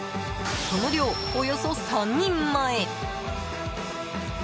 その量、およそ３人前！